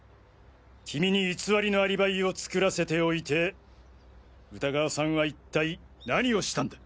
君に偽りのアリバイを作らせておいて歌川さんは一体何をしたんだ？